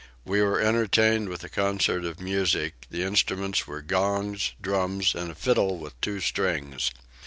We were entertained with a concert of music; the instruments were gongs, drums, and a fiddle with two strings.